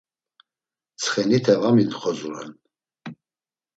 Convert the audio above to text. Ntsxenite va mintxozuran.